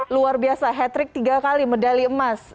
luar biasa hat trick tiga kali medali emas